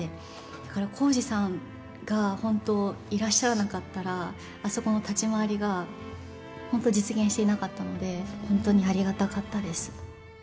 だから耕史さんが本当いらっしゃらなかったらあそこの立ち回りが本当、実現していなかったので本当にありがたかったです。